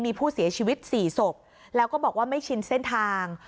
มีผู้เสียชีวิต๔ศพแล้วก็บอกว่าไม่ชินเส้นทาง